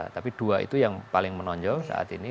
tapi dua itu yang paling menonjol saat ini